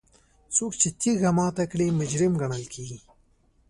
څوک چې تیږه ماته کړي مجرم ګڼل کیږي.